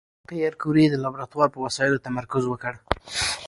پېیر کوري د لابراتوار په وسایلو تمرکز وکړ.